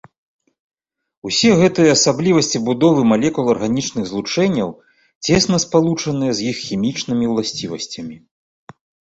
Усе гэтыя асаблівасці будовы малекул арганічных злучэнняў цесна спалучаныя з іх хімічнымі ўласцівасцямі.